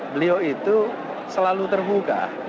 beliau itu selalu terhuka